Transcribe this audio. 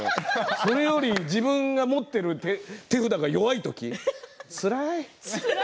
それよりも自分が持っている手札が弱い時つらい。